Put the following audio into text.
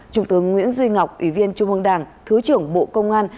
trung tướng nguyễn duy ngọc ủy viên trung ương đảng thứ trưởng bộ công an